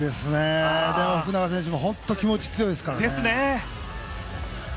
福永選手も本当に気持ち、強いですからね。